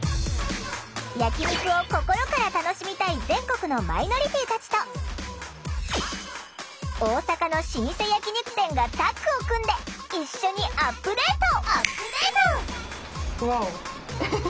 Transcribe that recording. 焼き肉を心から楽しみたい全国のマイノリティーたちと大阪の老舗焼き肉店がタッグを組んで一緒にアップデート！